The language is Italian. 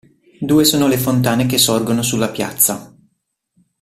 Due sono le fontane che sorgono sulla piazza.